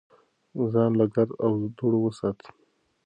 ځان له ګرد او دوړو وساتئ.